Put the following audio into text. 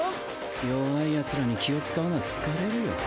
弱いヤツらに気を遣うのは疲れるよ。